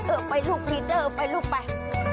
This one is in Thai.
เออไปลูกพรีเดอร์ไปลูกไป